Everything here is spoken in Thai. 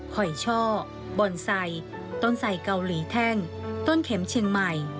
หอยช่อบอนไซค์ต้นไสเกาหลีแท่งต้นเข็มเชียงใหม่